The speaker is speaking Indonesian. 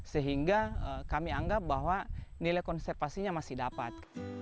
sehingga kami anggap bahwa nilai konservasinya masih dapat